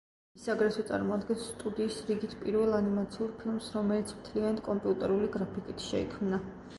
ის აგრეთვე წარმოადგენს სტუდიის რიგით პირველ ანიმაციურ ფილმს, რომელიც მთლიანად კომპიუტერული გრაფიკით შეიქმნა.